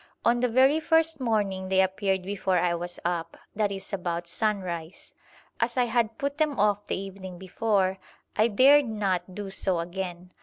On the very first morning they appeared before I was up that is about sunrise. As I had put them off the evening before, I dared not do so again.